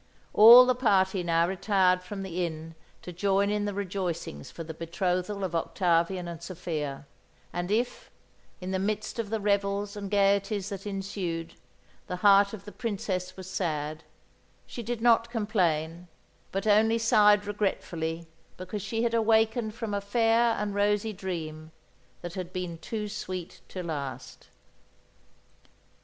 All the party now retired from the inn to join in the rejoicings for the betrothal of Octavian and Sophia; and if, in the midst of the revels and gaieties that ensued, the heart of the Princess was sad, she did not complain, but only sighed regretfully because she had awakened from a fair and rosy dream that had been too sweet to last!